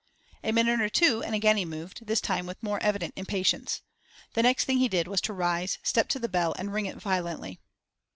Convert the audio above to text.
A minute or two and again he moved, this time with more evident impatience. The next thing he did was to rise, step to the bell, and ring it violently.